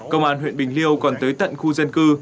công an huyện bình liêu còn tới tận khu dân cư